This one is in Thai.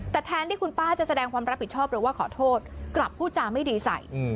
แต่แทนที่คุณป้าจะแสดงความรับผิดชอบหรือว่าขอโทษกลับพูดจาไม่ดีใส่